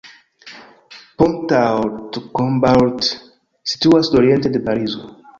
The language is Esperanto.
Pontault-Combault situas sudoriente de Parizo.